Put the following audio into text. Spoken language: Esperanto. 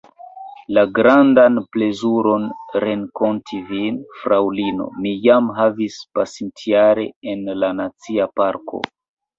La grandan plezuron renkonti vin, fraŭlino, mi jam havis pasintjare en la Nacia Parko.